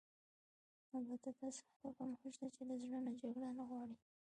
البته داسې خلک هم شته چې له زړه نه جګړه نه غواړي.